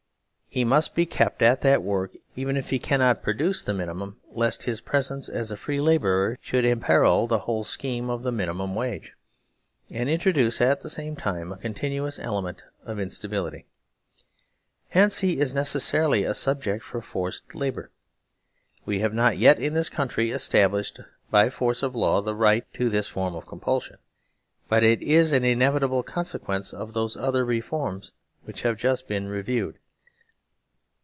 He must be kept at that work even if he cannot produce the mini mum, lest his presence as a free labourer should im peril the whole scheme of the minimum wage, and introduce at the same time a continuous element of instability. Hence he is necessarily a subject for forced labour. We have not yet in thiscountry.estab lished by force of law, the right to this form of com pulsion, but it is an inevitable consequence of those other reforms which have just been reviewed.